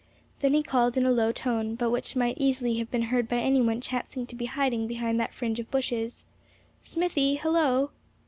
Then he called in a low tone, but which might easily have been heard by any one chancing to be hiding behind that fringe of bushes: "Smithy, hello!"